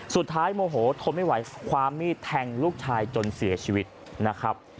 โมโหทนไม่ไหวความมีดแทงลูกชายจนเสียชีวิตนะครับ